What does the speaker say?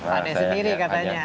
ada sendiri katanya